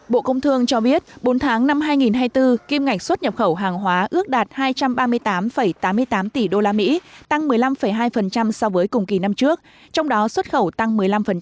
bộ công thương cho biết bốn tháng năm hai nghìn hai mươi bốn kim ngạch xuất nhập khẩu hàng hóa ước đạt hai trăm ba mươi tám tám mươi tám tỷ đô la mỹ tăng một mươi năm hai so với cùng kỳ năm trước trong đó xuất khẩu tăng một mươi năm nhập khẩu tăng một mươi năm bốn